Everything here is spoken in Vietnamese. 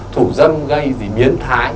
thủ dâm gây miến thái